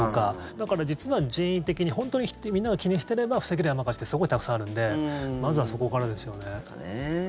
だから、実は人為的に本当にみんなが気にしていれば防げる山火事ってすごいたくさんあるのでまずはそこからですよね。